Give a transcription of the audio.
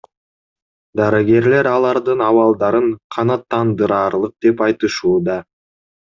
Дарыгерлер алардын абалдарын канааттандыраарлык деп айтышууда.